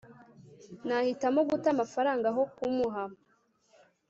nahitamo guta amafaranga aho kumuha